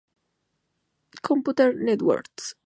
Computer Networks.